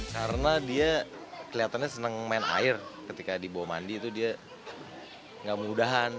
karena dia kelihatannya senang main air ketika dibawa mandi itu dia gak mudahan